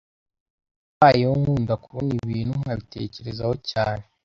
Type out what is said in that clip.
Nabayeho nkunda kubona ibintu nkabitekerezaho cyane